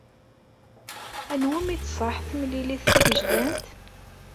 Anwa iwumi d-tṣaḥ temlilt tagejdant?